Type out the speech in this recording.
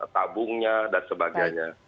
tabungnya dan sebagainya